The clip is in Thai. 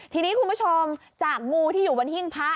ทีนี้คุณผู้ชมจากงูที่อยู่บนหิ้งพระ